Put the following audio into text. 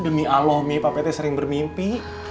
demi allah mi papih sering bermimpi